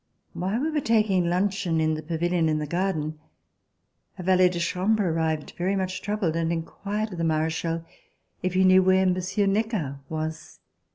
While we were taking luncheon in the pavilion in the garden, a valet de chambre arrived very much troubled and inquired of the Marechal if he knew where Monsieur Necker was.